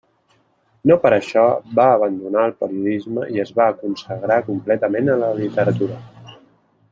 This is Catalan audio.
No per això va abandonar el periodisme i es va consagrar completament a la literatura.